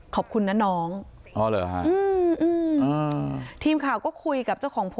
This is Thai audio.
ขอบคุณนะน้อง